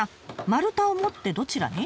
丸太を持ってどちらに？